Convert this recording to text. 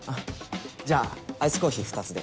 じゃあアイスコーヒー２つで。